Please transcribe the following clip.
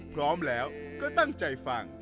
พร้อมแล้วก็ตั้งใจฟัง